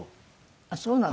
あっそうなの。